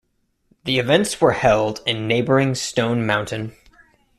The events were held in neighboring Stone Mountain.